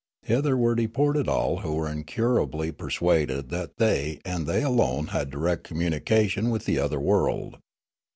Hither were deported all who were incurably persuaded that they and they alone had direct communication with the other world.